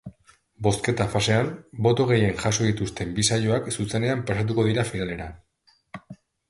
Bozketa-fasean boto gehien jaso dituzten bi saioak zuzenean pasatuko dira finalera.